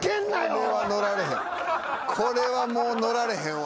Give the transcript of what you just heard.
これはもう乗られへんわ。